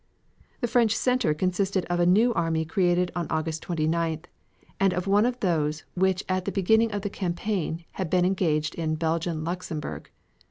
The French center consisted of a new army created on August 29th and of one of those which at the beginning of the campaign had been engaged in Belgian Luxemburg.